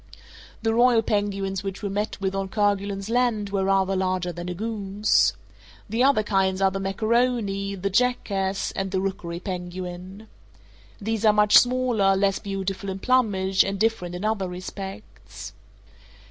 The royal penguins which we met with on Kerguelen's Land were rather larger than a goose. The other kinds are the macaroni, the jackass, and the rookery penguin. These are much smaller, less beautiful in plumage, and different in other respects.